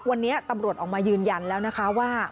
วันนี้ตำรวจออกมายืนยันแล้วนะคะว่า